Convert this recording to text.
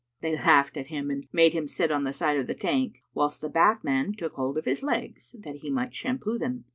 They laughed at him and made him sit on the side of the tank, whilst the bathman took hold of his legs, that he might shampoo them.